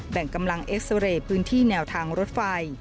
แบ่งกำลังเอ็กซาเรย์พื้นที่แนวทางรถไฟ